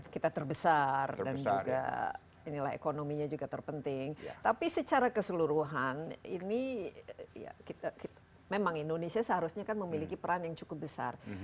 kita terbesar dan juga inilah ekonominya juga terpenting tapi secara keseluruhan ini memang indonesia seharusnya kan memiliki peran yang cukup besar